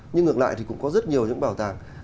nhưng ngược lại thì cũng có rất nhiều những bảo tàng